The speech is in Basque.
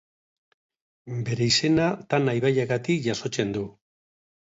Bere izena Tana ibaiagatik jasotzen du.